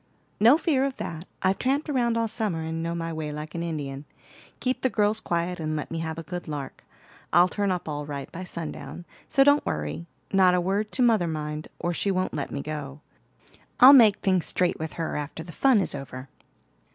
"No fear of that; I've tramped round all summer, and know my way like an Indian. Keep the girls quiet, and let me have a good lark. I'll turn up all right by sundown; so don't worry. Not a word to mother, mind, or she won't let me go. I'll make things straight with her after the fun is over."